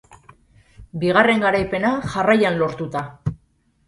Bigarren garaipena jarraian lortuta.